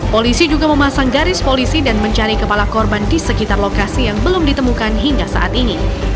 polisi juga memasang garis polisi dan mencari kepala korban di sekitar lokasi yang belum ditemukan hingga saat ini